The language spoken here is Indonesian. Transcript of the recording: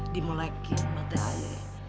dimolekin mati ayah